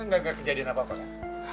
gak kejadian apa apa kan